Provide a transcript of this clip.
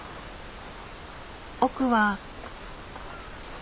奥は。